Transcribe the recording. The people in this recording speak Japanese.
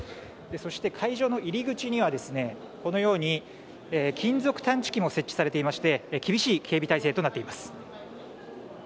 そして会場の入り口にはこのように金属探知機も設置されていまして厳しい警備態勢となっています。